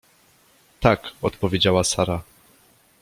— Tak — odpowiedziała Sara.